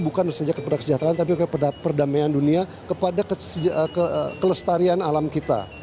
bukan mensejahteraan tapi kepada perdamaian dunia kepada kelestarian alam kita